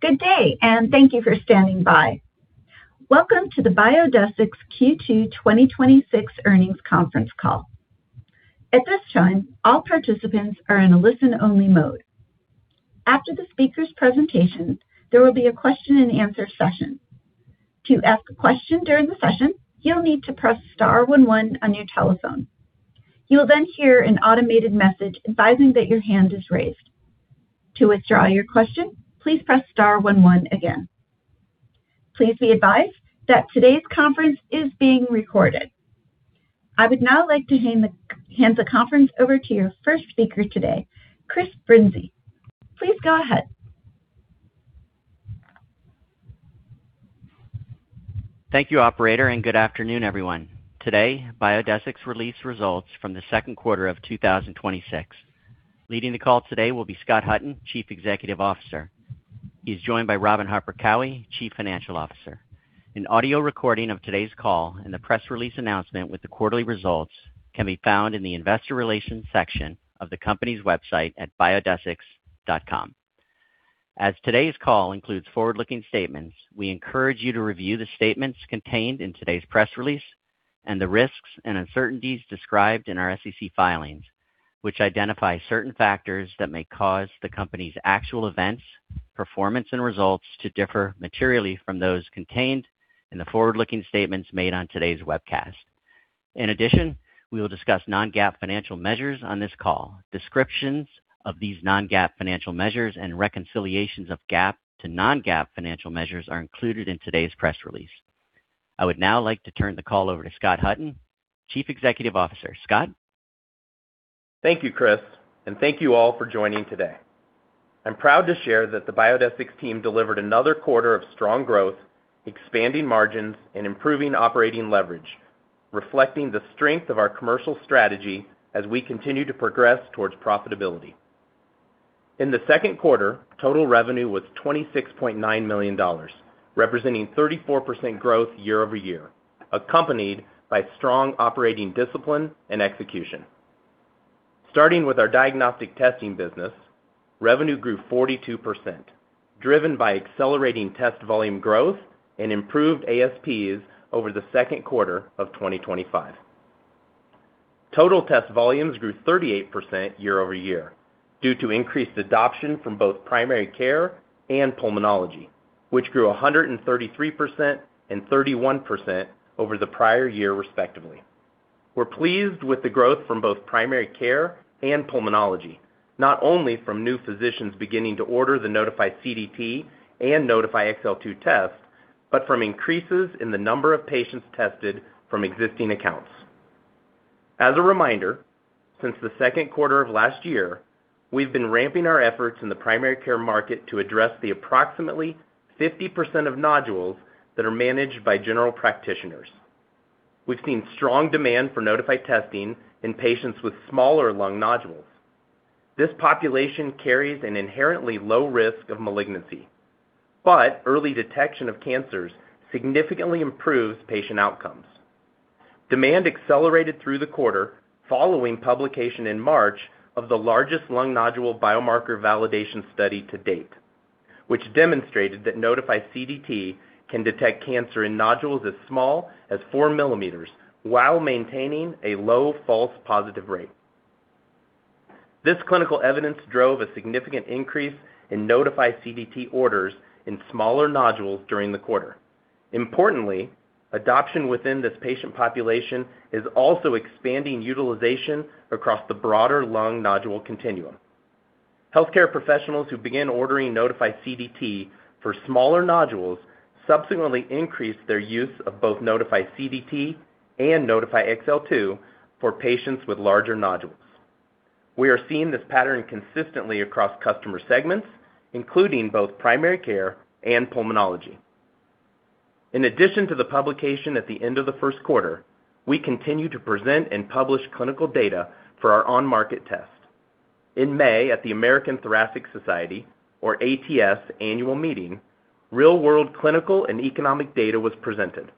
Good day, and thank you for standing by. Welcome to the Biodesix Q2 2026 earnings conference call. At this time, all participants are in a listen-only mode. After the speakers' presentation, there will be a question and answer session. To ask a question during the session, you'll need to press star one one on your telephone. You'll then hear an automated message advising that your hand is raised. To withdraw your question, please press star one one again. Please be advised that today's conference is being recorded. I would now like to hand the conference over to your first speaker today, Chris Brinzey. Please go ahead. Thank you, operator, and good afternoon, everyone. Today, Biodesix released results from the second quarter of 2026. Leading the call today will be Scott Hutton, Chief Executive Officer. He's joined by Robin Harper Cowie, Chief Financial Officer. An audio recording of today's call and the press release announcement with the quarterly results can be found in the investor relations section of the company's website at biodesix.com. As today's call includes forward-looking statements, we encourage you to review the statements contained in today's press release and the risks and uncertainties described in our SEC filings, which identify certain factors that may cause the company's actual events, performance, and results to differ materially from those contained in the forward-looking statements made on today's webcast. In addition, we will discuss non-GAAP financial measures on this call. Descriptions of these non-GAAP financial measures and reconciliations of GAAP to non-GAAP financial measures are included in today's press release. I would now like to turn the call over to Scott Hutton, Chief Executive Officer. Scott? Thank you, Chris, and thank you all for joining today. I'm proud to share that the Biodesix team delivered another quarter of strong growth, expanding margins, and improving operating leverage, reflecting the strength of our commercial strategy as we continue to progress towards profitability. In the second quarter, total revenue was $26.9 million, representing 34% growth year-over-year, accompanied by strong operating discipline and execution. Starting with our diagnostic testing business, revenue grew 42%, driven by accelerating test volume growth and improved ASPs over the second quarter of 2025. Total test volumes grew 38% year-over-year due to increased adoption from both primary care and pulmonology, which grew 133% and 31% over the prior year, respectively. We're pleased with the growth from both primary care and pulmonology, not only from new physicians beginning to order the Nodify CDT and Nodify XL2 tests, but from increases in the number of patients tested from existing accounts. As a reminder, since the second quarter of last year, we've been ramping our efforts in the primary care market to address the approximately 50% of nodules that are managed by general practitioners. We've seen strong demand for Nodify testing in patients with smaller lung nodules. This population carries an inherently low risk of malignancy, but early detection of cancers significantly improves patient outcomes. Demand accelerated through the quarter following publication in March of the largest lung nodule biomarker validation study to date, which demonstrated that Nodify CDT can detect cancer in nodules as small as 4 millimeters while maintaining a low false positive rate. This clinical evidence drove a significant increase in Nodify CDT orders in smaller nodules during the quarter. Importantly, adoption within this patient population is also expanding utilization across the broader lung nodule continuum. Healthcare professionals who begin ordering Nodify CDT for smaller nodules subsequently increase their use of both Nodify CDT and Nodify XL2 for patients with larger nodules. We are seeing this pattern consistently across customer segments, including both primary care and pulmonology. In addition to the publication at the end of the first quarter, we continue to present and publish clinical data for our on-market test. In May at the American Thoracic Society, or ATS, annual meeting, real-world clinical and economic data was presented,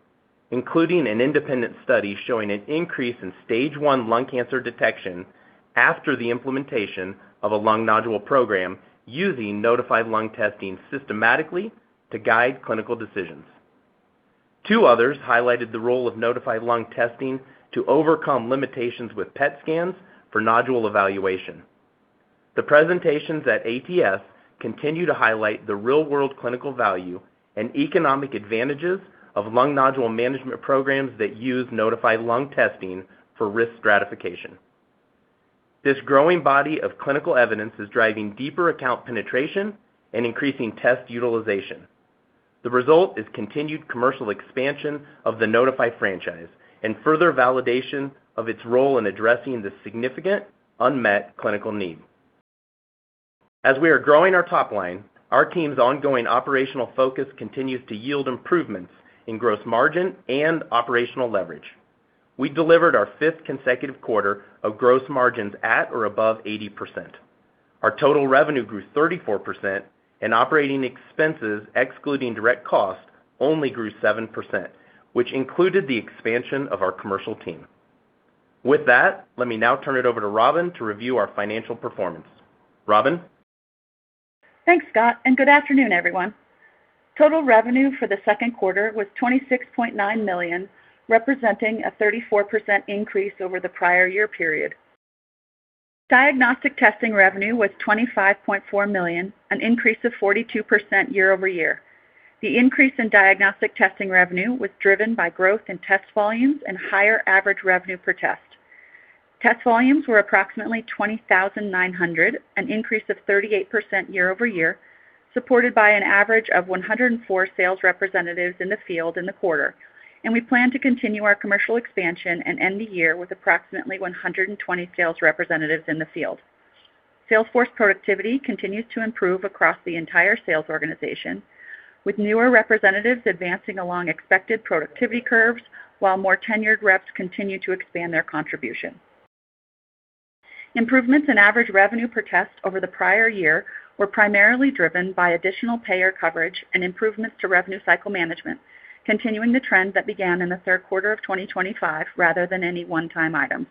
including an independent study showing an increase in stage 1 lung cancer detection after the implementation of a lung nodule program using Nodify Lung testing systematically to guide clinical decisions. Two others highlighted the role of Nodify Lung testing to overcome limitations with PET scans for nodule evaluation. The presentations at ATS continue to highlight the real-world clinical value and economic advantages of lung nodule management programs that use Nodify Lung testing for risk stratification. This growing body of clinical evidence is driving deeper account penetration and increasing test utilization. The result is continued commercial expansion of the Nodify franchise and further validation of its role in addressing this significant unmet clinical need. As we are growing our top line, our team's ongoing operational focus continues to yield improvements in gross margin and operational leverage. We delivered our fifth consecutive quarter of gross margins at or above 80%. Our total revenue grew 34%, and operating expenses, excluding direct costs, only grew 7%, which included the expansion of our commercial team. With that, let me now turn it over to Robin to review our financial performance. Robin? Thanks, Scott. Good afternoon, everyone. Total revenue for the second quarter was $26.9 million, representing a 34% increase over the prior year period. Diagnostic testing revenue was $25.4 million, an increase of 42% year-over-year. The increase in diagnostic testing revenue was driven by growth in test volumes and higher average revenue per test. Test volumes were approximately 20,900, an increase of 38% year-over-year, supported by an average of 104 sales representatives in the field in the quarter. We plan to continue our commercial expansion and end the year with approximately 120 sales representatives in the field. Sales force productivity continues to improve across the entire sales organization, with newer representatives advancing along expected productivity curves while more tenured reps continue to expand their contribution. Improvements in average revenue per test over the prior year were primarily driven by additional payer coverage and improvements to revenue cycle management, continuing the trend that began in the third quarter of 2025, rather than any one-time item.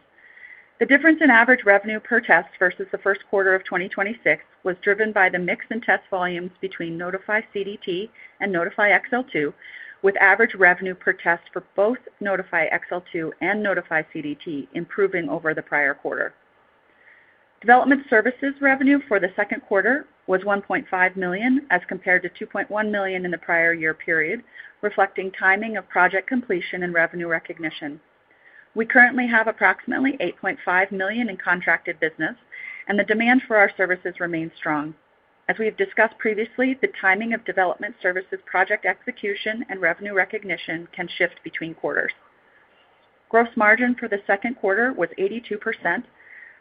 The difference in average revenue per test versus the first quarter of 2026 was driven by the mix in test volumes between Nodify CDT and Nodify XL2, with average revenue per test for both Nodify XL2 and Nodify CDT improving over the prior quarter. Development services revenue for the second quarter was $1.5 million as compared to $2.1 million in the prior year period, reflecting timing of project completion and revenue recognition. We currently have approximately $8.5 million in contracted business. The demand for our services remains strong. We have discussed previously, the timing of development services project execution and revenue recognition can shift between quarters. Gross margin for the second quarter was 82%,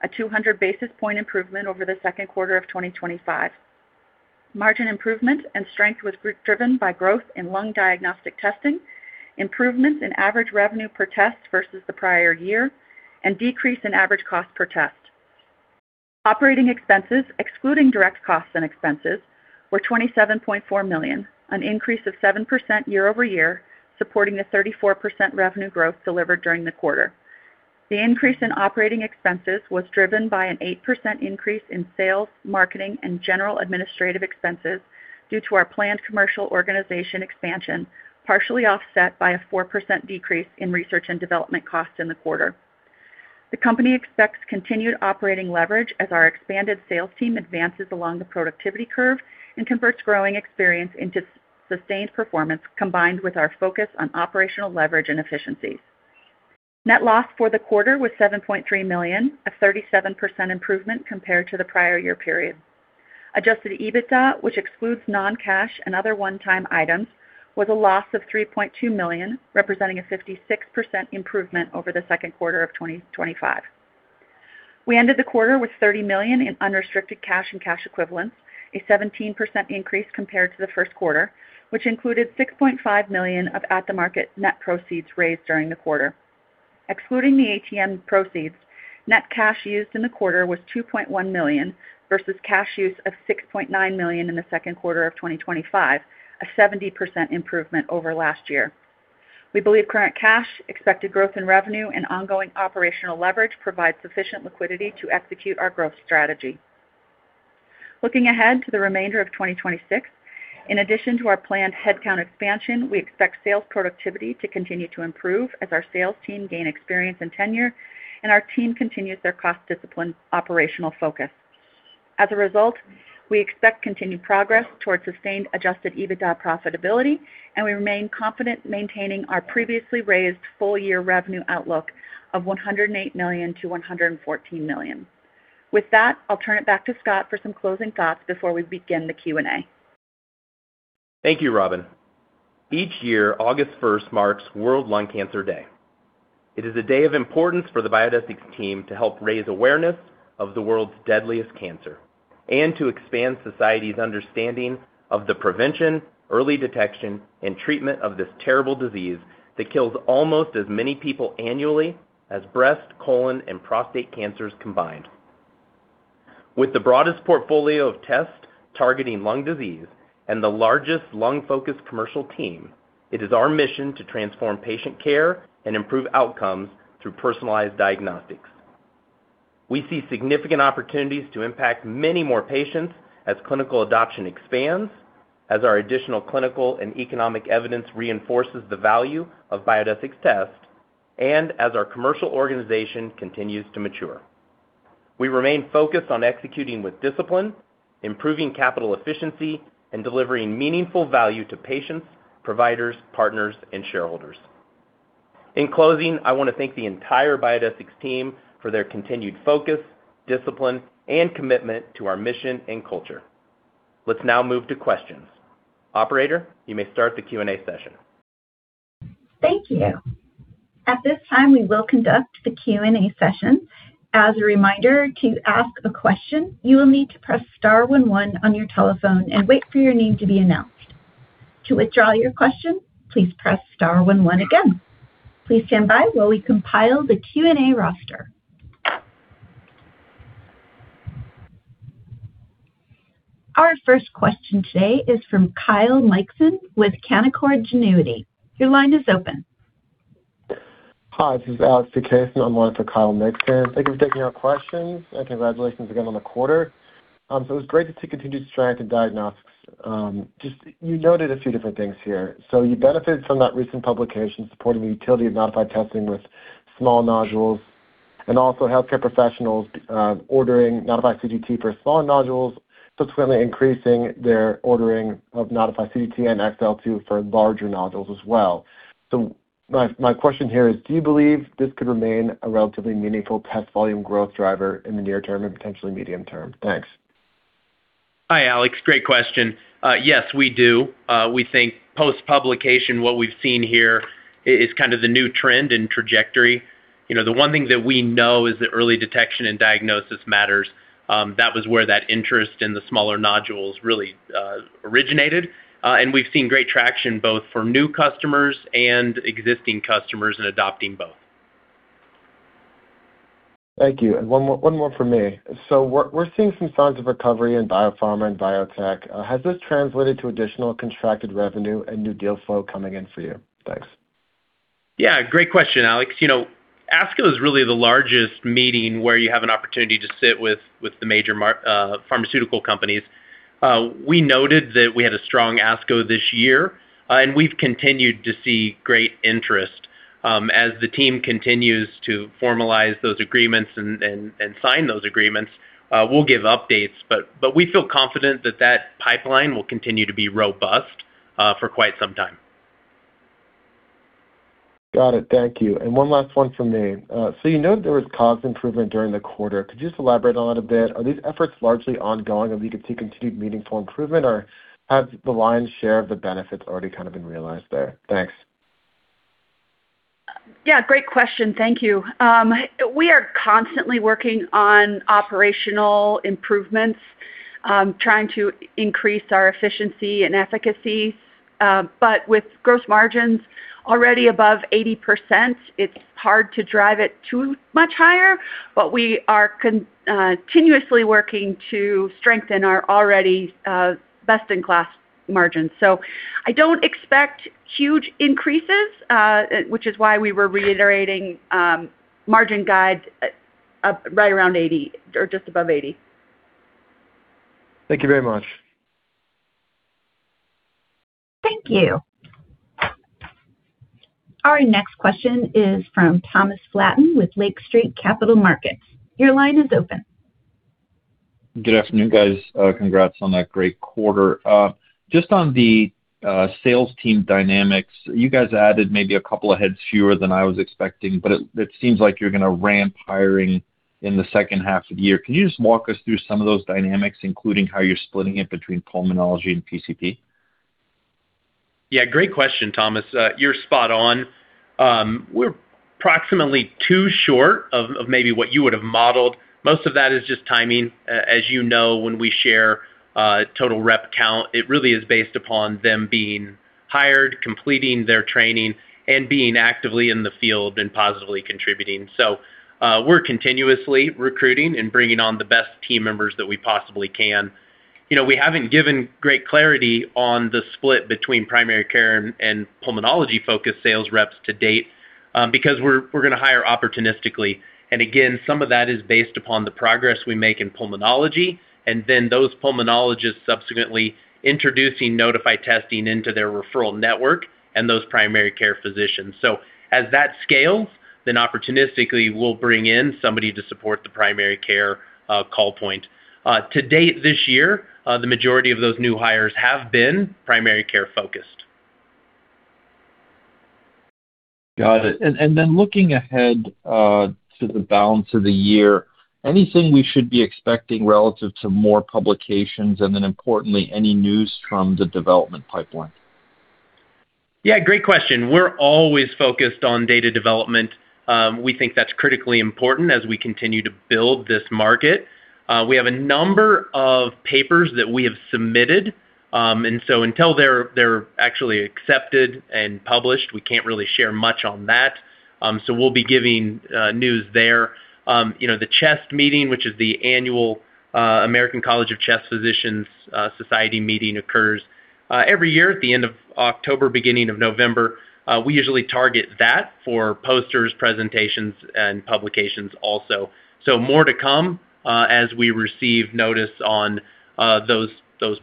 a 200-basis point improvement over the second quarter of 2025. Margin improvement and strength was driven by growth in lung diagnostic testing, improvements in average revenue per test versus the prior year, and decrease in average cost per test. Operating expenses, excluding direct costs and expenses, were $27.4 million, an increase of 7% year-over-year, supporting a 34% revenue growth delivered during the quarter. The increase in operating expenses was driven by an 8% increase in sales, marketing, and general administrative expenses due to our planned commercial organization expansion, partially offset by a 4% decrease in research and development costs in the quarter. The company expects continued operating leverage as our expanded sales team advances along the productivity curve and converts growing experience into sustained performance, combined with our focus on operational leverage and efficiencies. Net loss for the quarter was $7.3 million, a 37% improvement compared to the prior year period. Adjusted EBITDA, which excludes non-cash and other one-time items, was a loss of $3.2 million, representing a 56% improvement over the second quarter of 2025. We ended the quarter with $30 million in unrestricted cash and cash equivalents, a 17% increase compared to the first quarter, which included $6.5 million of at-the-market net proceeds raised during the quarter. Excluding the ATM proceeds, net cash used in the quarter was $2.1 million versus cash use of $6.9 million in the second quarter of 2025, a 70% improvement over last year. We believe current cash, expected growth in revenue, and ongoing operational leverage provide sufficient liquidity to execute our growth strategy. Looking ahead to the remainder of 2026, in addition to our planned headcount expansion, we expect sales productivity to continue to improve as our sales team gain experience and tenure and our team continues their cost discipline operational focus. As a result, we expect continued progress towards sustained adjusted EBITDA profitability, and we remain confident maintaining our previously raised full year revenue outlook of $108 million-$114 million. With that, I'll turn it back to Scott for some closing thoughts before we begin the Q&A. Thank you, Robin. Each year, August 1st marks World Lung Cancer Day. It is a day of importance for the Biodesix team to help raise awareness of the world's deadliest cancer and to expand society's understanding of the prevention, early detection, and treatment of this terrible disease that kills almost as many people annually as breast, colon, and prostate cancers combined. With the broadest portfolio of tests targeting lung disease and the largest lung-focused commercial team, it is our mission to transform patient care and improve outcomes through personalized diagnostics. We see significant opportunities to impact many more patients as clinical adoption expands, as our additional clinical and economic evidence reinforces the value of Biodesix tests, and as our commercial organization continues to mature. We remain focused on executing with discipline, improving capital efficiency, and delivering meaningful value to patients, providers, partners, and shareholders. In closing, I want to thank the entire Biodesix team for their continued focus, discipline, and commitment to our mission and culture. Let's now move to questions. Operator, you may start the Q&A session. Thank you. At this time, we will conduct the Q&A session. As a reminder, to ask a question, you will need to press *11 on your telephone and wait for your name to be announced. To withdraw your question, please press *11 again. Please stand by while we compile the Q&A roster. Our first question today is from Kyle Mikson with Canaccord Genuity. Your line is open. Hi, this is Alex Ekasen. I'm on for Kyle Mikson. Thank you for taking our questions, and congratulations again on the quarter. It was great to see continued strength in diagnostics. You noted a few different things here. You benefited from that recent publication supporting the utility of Nodify testing with small nodules and also healthcare professionals ordering Nodify CDT for small nodules, subsequently increasing their ordering of Nodify CDT and Nodify XL2 for larger nodules as well. My question here is, do you believe this could remain a relatively meaningful test volume growth driver in the near term and potentially medium term? Thanks. Hi, Alex. Great question. Yes, we do. We think post-publication, what we've seen here is kind of the new trend and trajectory. The one thing that we know is that early detection and diagnosis matters. That was where that interest in the smaller nodules really originated, and we've seen great traction both for new customers and existing customers in adopting both. Thank you. One more from me. We're seeing some signs of recovery in biopharma and biotech. Has this translated to additional contracted revenue and new deal flow coming in for you? Thanks. Great question, Alex. ASCO is really the largest meeting where you have an opportunity to sit with the major pharmaceutical companies. We noted that we had a strong ASCO this year. We've continued to see great interest. As the team continues to formalize those agreements and sign those agreements, we'll give updates, but we feel confident that that pipeline will continue to be robust for quite some time. Got it. Thank you. One last one from me. You noted there was COGS improvement during the quarter. Could you just elaborate on it a bit? Are these efforts largely ongoing and we could see continued meaningful improvement, or has the lion's share of the benefits already kind of been realized there? Thanks. Yeah, great question. Thank you. We are constantly working on operational improvements, trying to increase our efficiency and efficacy. With gross margins already above 80%, it's hard to drive it too much higher. We are continuously working to strengthen our already best-in-class margins. I don't expect huge increases, which is why we were reiterating margin guides right around 80% or just above 80%. Thank you very much. Thank you. Our next question is from Thomas Flaten with Lake Street Capital Markets. Your line is open. Good afternoon, guys. Congrats on that great quarter. Just on the sales team dynamics, you guys added maybe a couple of heads fewer than I was expecting, but it seems like you're going to ramp hiring in the second half of the year. Can you just walk us through some of those dynamics, including how you're splitting it between pulmonology and PCP? Yeah, great question, Thomas. You're spot on. We're approximately two short of maybe what you would have modeled. Most of that is just timing. As you know, when we share total rep count, it really is based upon them being hired, completing their training, and being actively in the field and positively contributing. We're continuously recruiting and bringing on the best team members that we possibly can. We haven't given great clarity on the split between primary care and pulmonology-focused sales reps to date because we're going to hire opportunistically. Again, some of that is based upon the progress we make in pulmonology and then those pulmonologists subsequently introducing Nodify testing into their referral network and those primary care physicians. As that scales, then opportunistically, we'll bring in somebody to support the primary care call point. To date this year, the majority of those new hires have been primary care focused. Got it. Looking ahead to the balance of the year, anything we should be expecting relative to more publications and then importantly, any news from the development pipeline? Yeah, great question. We're always focused on data development. We think that's critically important as we continue to build this market. We have a number of papers that we have submitted. Until they're actually accepted and published, we can't really share much on that. We'll be giving news there. The CHEST meeting, which is the annual American College of Chest Physicians Society meeting, occurs every year at the end of October, beginning of November. We usually target that for posters, presentations, and publications also. More to come as we receive notice on those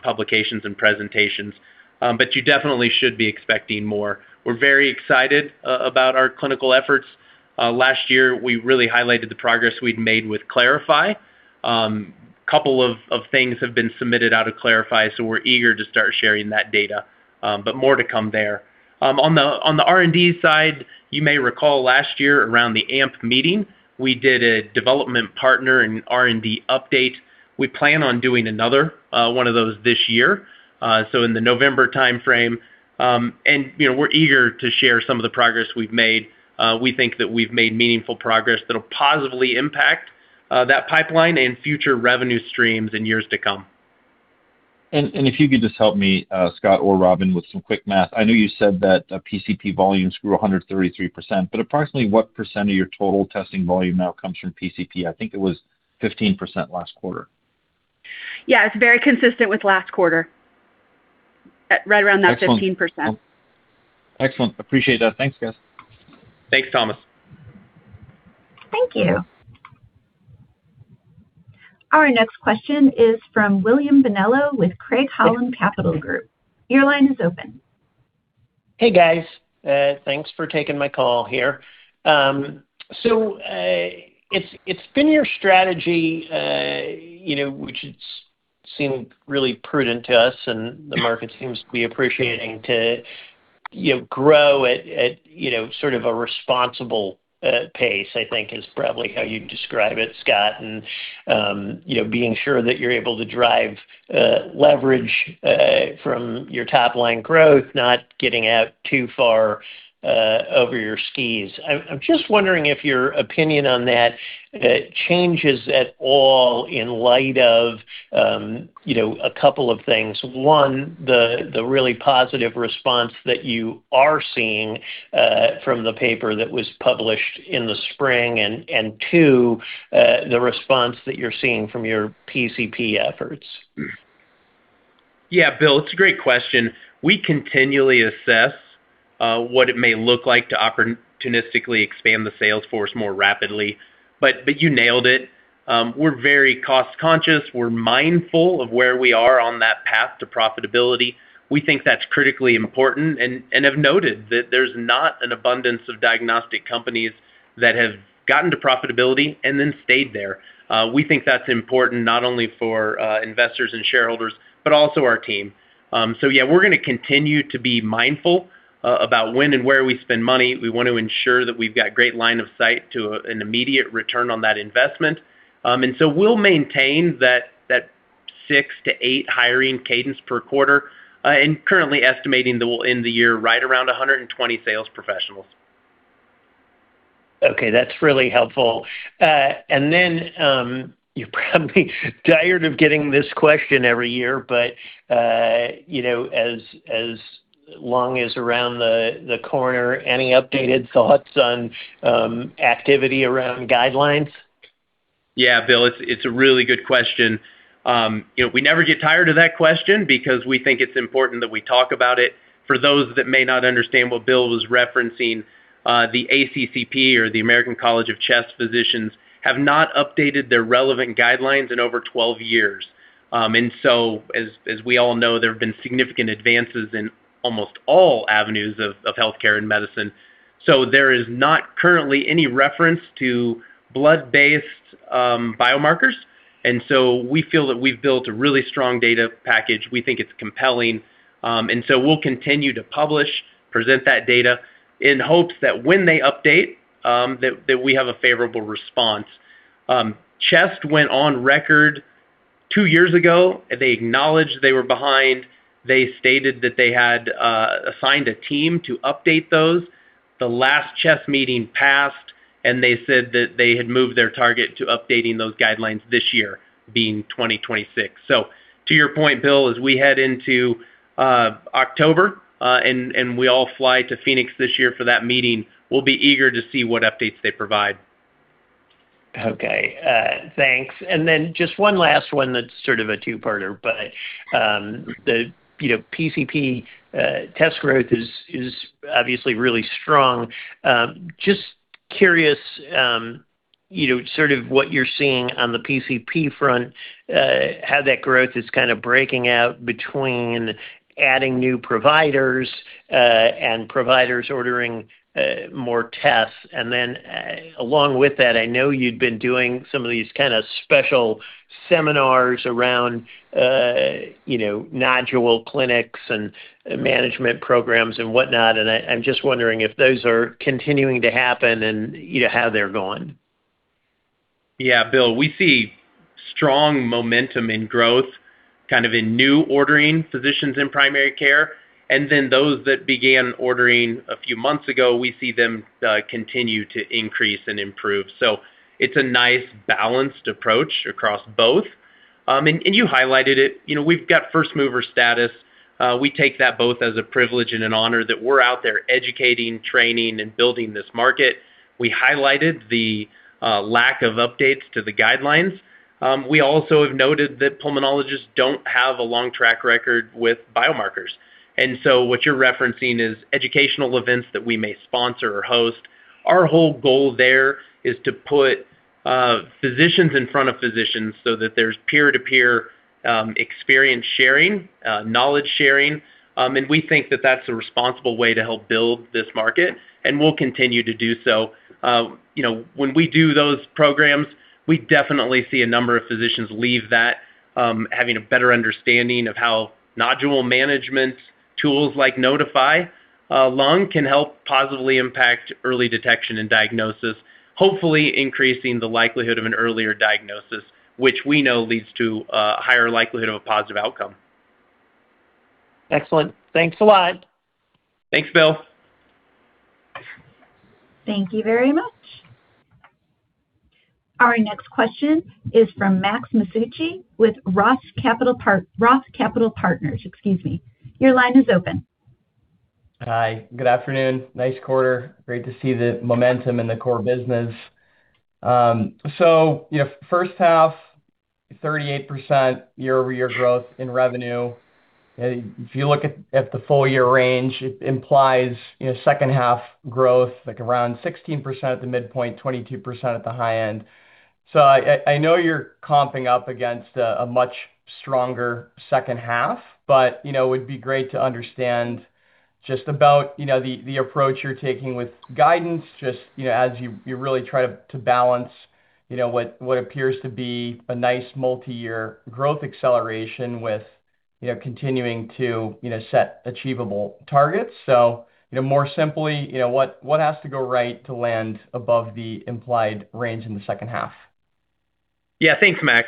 publications and presentations. You definitely should be expecting more. We're very excited about our clinical efforts. Last year, we really highlighted the progress we'd made with CLARIFY. Couple of things have been submitted out of CLARIFY, so we're eager to start sharing that data. More to come there. On the R&D side, you may recall last year around the AMP meeting, we did a development partner and R&D update. We plan on doing another one of those this year, in the November timeframe. We're eager to share some of the progress we've made. We think that we've made meaningful progress that'll positively impact that pipeline and future revenue streams in years to come. If you could just help me, Scott or Robin, with some quick math. I know you said that PCP volumes grew 133%, but approximately what percent of your total testing volume now comes from PCP? I think it was 15% last quarter. Yeah. It's very consistent with last quarter. Right around that 15%. Excellent. Appreciate that. Thanks, guys. Thanks, Thomas. Thank you. Our next question is from William Bonello with Craig-Hallum Capital Group. Your line is open. Hey, guys. Thanks for taking my call here. It's been your strategy, which it's seemed really prudent to us and the market seems to be appreciating to grow at sort of a responsible pace, I think is probably how you'd describe it, Scott. Being sure that you're able to drive leverage from your top-line growth, not getting out too far over your skis. I'm just wondering if your opinion on that changes at all in light of a couple of things. One, the really positive response that you are seeing from the paper that was published in the spring, and two, the response that you're seeing from your PCP efforts. Bill, it's a great question. We continually assess what it may look like to opportunistically expand the sales force more rapidly, you nailed it. We're very cost-conscious. We're mindful of where we are on that path to profitability. We think that's critically important and have noted that there's not an abundance of diagnostic companies that have gotten to profitability and then stayed there. We think that's important not only for investors and shareholders, but also our team. We're going to continue to be mindful about when and where we spend money. We want to ensure that we've got great line of sight to an immediate return on that investment. We'll maintain that six to eight hiring cadence per quarter and currently estimating that we'll end the year right around 120 sales professionals. Okay. That's really helpful. You're probably tired of getting this question every year, as CHEST is around the corner, any updated thoughts on activity around guidelines? Bill, it's a really good question. We never get tired of that question because we think it's important that we talk about it. For those that may not understand what Bill was referencing, the ACCP, or the American College of Chest Physicians, have not updated their relevant guidelines in over 12 years. As we all know, there have been significant advances in almost all avenues of healthcare and medicine. There is not currently any reference to blood-based biomarkers, we feel that we've built a really strong data package. We think it's compelling, we'll continue to publish, present that data in hopes that when they update, that we have a favorable response. CHEST went on record two years ago. They acknowledged they were behind. They stated that they had assigned a team to update those. The last CHEST meeting passed, they said that they had moved their target to updating those guidelines this year, being 2026. To your point, Bill, as we head into October, we all fly to Phoenix this year for that meeting, we'll be eager to see what updates they provide. Okay. Thanks. Just one last one that's sort of a two-parter, the PCP test growth is obviously really strong. Just curious sort of what you're seeing on the PCP front, how that growth is kind of breaking out between adding new providers and providers ordering more tests. Along with that, I know you'd been doing some of these kind of special seminars around nodule clinics and management programs and whatnot, and I'm just wondering if those are continuing to happen and how they're going. Yeah, Bill, we see strong momentum in growth, kind of in new ordering physicians in primary care, those that began ordering a few months ago, we see them continue to increase and improve. It's a nice balanced approach across both. You highlighted it. We've got first-mover status. We take that both as a privilege and an honor that we're out there educating, training, and building this market. We highlighted the lack of updates to the guidelines. We also have noted that pulmonologists don't have a long track record with biomarkers. What you're referencing is educational events that we may sponsor or host. Our whole goal there is to put physicians in front of physicians so that there's peer-to-peer experience sharing, knowledge sharing, and we think that that's a responsible way to help build this market, and we'll continue to do so. When we do those programs, we definitely see a number of physicians leave that having a better understanding of how nodule management tools like Nodify Lung can help positively impact early detection and diagnosis, hopefully increasing the likelihood of an earlier diagnosis, which we know leads to a higher likelihood of a positive outcome. Excellent. Thanks a lot. Thanks, Bill. Thank you very much. Our next question is from Max Masucci with ROTH Capital Partners. Excuse me. Your line is open Hi, good afternoon. Nice quarter. Great to see the momentum in the core business. First half, 38% year-over-year growth in revenue. If you look at the full year range, it implies second half growth, around 16% at the midpoint, 22% at the high end. I know you're comping up against a much stronger second half, but it would be great to understand just about the approach you're taking with guidance, just as you really try to balance what appears to be a nice multi-year growth acceleration with continuing to set achievable targets. More simply, what has to go right to land above the implied range in the second half? Yeah. Thanks, Max.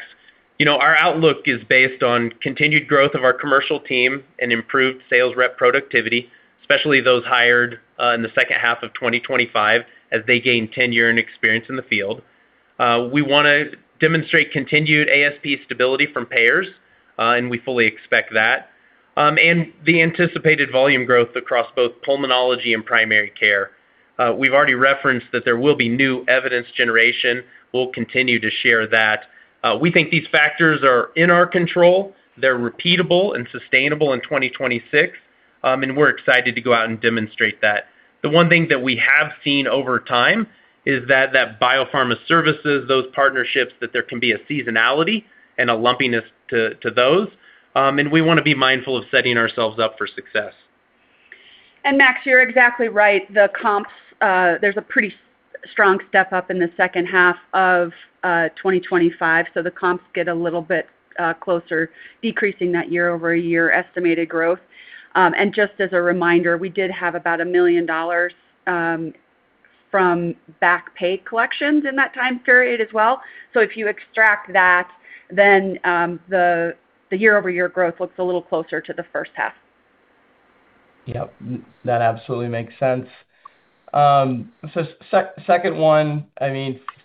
Our outlook is based on continued growth of our commercial team and improved sales rep productivity, especially those hired in the second half of 2025, as they gain tenure and experience in the field. We want to demonstrate continued ASP stability from payers, and we fully expect that, and the anticipated volume growth across both pulmonology and primary care. We've already referenced that there will be new evidence generation. We'll continue to share that. We think these factors are in our control. They're repeatable and sustainable in 2026. We're excited to go out and demonstrate that. The one thing that we have seen over time is that biopharma services, those partnerships, that there can be a seasonality and a lumpiness to those. We want to be mindful of setting ourselves up for success. Max, you're exactly right. The comps, there's a pretty strong step-up in the second half of 2025, so the comps get a little bit closer, decreasing that year-over-year estimated growth. Just as a reminder, we did have about $1 million from back pay collections in that time period as well. If you extract that, then the year-over-year growth looks a little closer to the first half. Yep, that absolutely makes sense. Second one,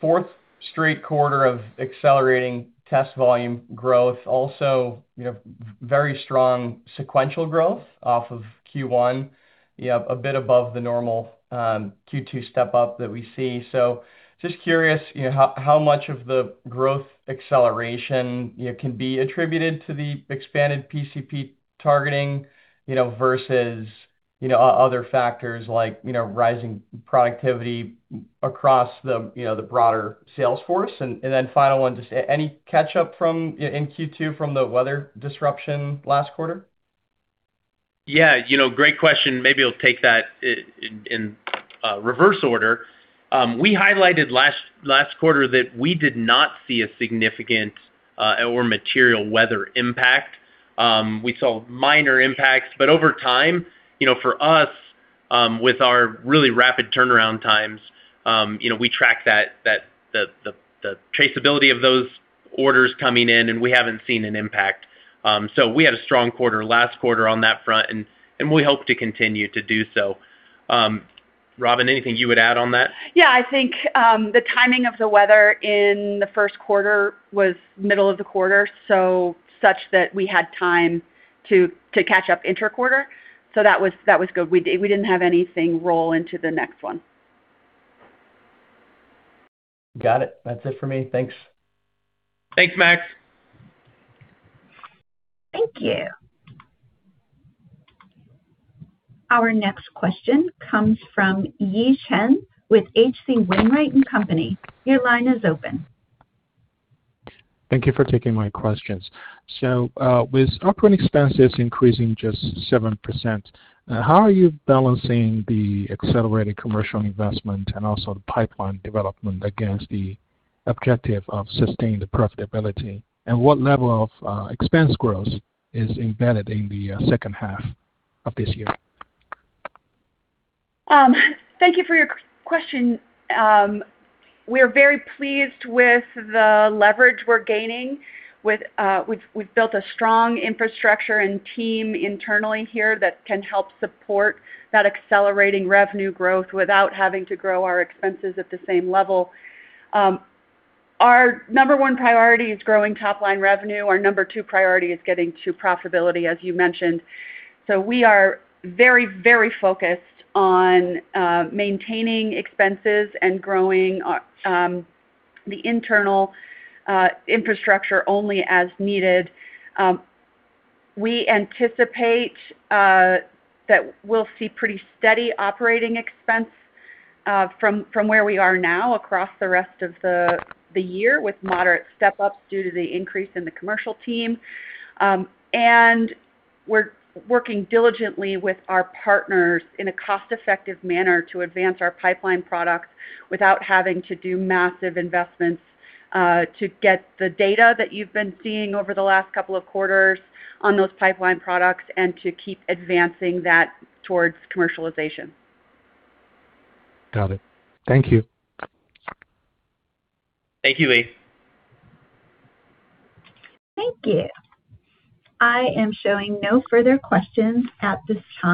fourth straight quarter of accelerating test volume growth. Very strong sequential growth off of Q1, a bit above the normal Q2 step-up that we see. Just curious, how much of the growth acceleration can be attributed to the expanded PCP targeting, versus other factors like rising productivity across the broader sales force? Final one, just any catch-up in Q2 from the weather disruption last quarter? Yeah. Great question. Maybe I'll take that in reverse order. We highlighted last quarter that we did not see a significant or material weather impact. We saw minor impacts, but over time, for us, with our really rapid turnaround times, we track the traceability of those orders coming in, and we haven't seen an impact. We had a strong quarter last quarter on that front, and we hope to continue to do so. Robin, anything you would add on that? Yeah, I think, the timing of the weather in the first quarter was middle of the quarter, such that we had time to catch up inter-quarter. That was good. We didn't have anything roll into the next one. Got it. That's it for me. Thanks. Thanks, Max. Thank you. Our next question comes from Yi Chen with H.C. Wainwright & Co.. Your line is open. Thank you for taking my questions. With operating expenses increasing just 7%, how are you balancing the accelerated commercial investment and also the pipeline development against the objective of sustained profitability? What level of expense growth is embedded in the second half of this year? Thank you for your question. We're very pleased with the leverage we're gaining. We've built a strong infrastructure and team internally here that can help support that accelerating revenue growth without having to grow our expenses at the same level. Our number one priority is growing top-line revenue. Our number two priority is getting to profitability, as you mentioned. We are very focused on maintaining expenses and growing the internal infrastructure only as needed. We anticipate that we'll see pretty steady operating expense from where we are now across the rest of the year, with moderate step-ups due to the increase in the commercial team. We're working diligently with our partners in a cost-effective manner to advance our pipeline products without having to do massive investments to get the data that you've been seeing over the last couple of quarters on those pipeline products and to keep advancing that towards commercialization. Got it. Thank you. Thank you, Yi. Thank you. I am showing no further questions at this time